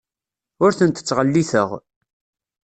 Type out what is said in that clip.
Ur tent-ttɣelliteɣ.